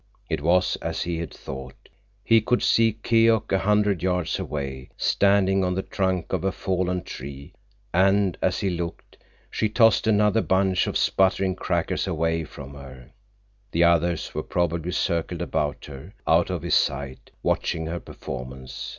It was as he had thought. He could see Keok a hundred yards away, standing on the trunk of a fallen tree, and as he looked, she tossed another bunch of sputtering crackers away from her. The others were probably circled about her, out of his sight, watching her performance.